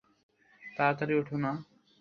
তাড়াতাড়ি উঠা না।